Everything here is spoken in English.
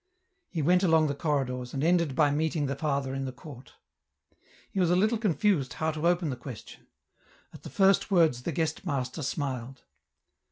He went along the corridors, and ended by meeting the father in the court . He was a little confused how to open the question ; at the first words the guest master smiled.